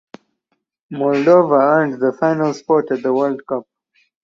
Moldova earned the final spot at the World Cup.